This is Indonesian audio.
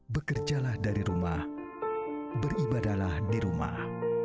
bekerjalah dari rumah beribadahlah di rumah